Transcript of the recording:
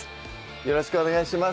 よろしくお願いします